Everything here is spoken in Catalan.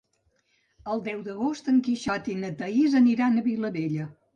El deu d'agost en Quixot i na Thaís aniran a Vilabella.